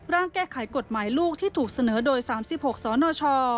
ร่างแก้ไขกฎหมายลูกที่ถูกเสนอโดย๓๖สนช